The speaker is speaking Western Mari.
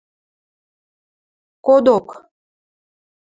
– Кодок...